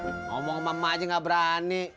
ngomong sama emak aja enggak berani